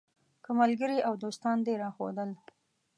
که ملګري او دوستان دې راوښودل.